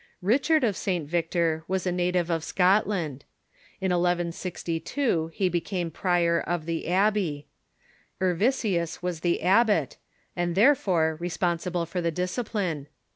Richard of St. Victor was a native of Scotland, In 1162 he became prior of the abbey. Ervisius was the abbot, and there fore responsible for the discipline.